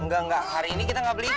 enggak enggak hari ini kita nggak beli